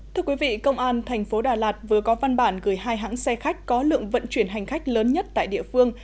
thưa quý vị công an thành phố đà lạt vừa có văn bản gửi hai hãng xe khách có lượng vận chuyển hành khách lớn nhất tại địa phương